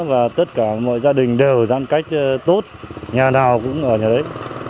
và tất cả mọi gia đình đều giãn cách tốt nhà nào cũng ở nhà đấy